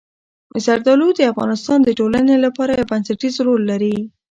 زردالو د افغانستان د ټولنې لپاره یو بنسټيز رول لري.